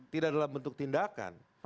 tidak dalam bentuk tindakan